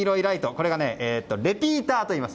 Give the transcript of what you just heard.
これが、レピーターといいます。